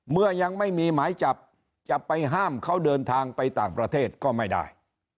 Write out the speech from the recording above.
เมื่อยังไม่มีหมายจับจะไปห้ามเขาเดินทางไปต่างประเทศก็ไม่ได้